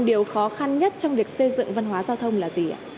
điều khó khăn nhất trong việc xây dựng văn hóa giao thông là gì ạ